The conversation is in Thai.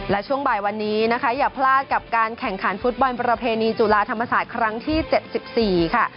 และช่วงบ่ายวันนี้นะคะอย่าพลาดกับการแข่งขันฟุตบอลประเพณีจุฬาธรรมศาสตร์ครั้งที่๗๔ค่ะ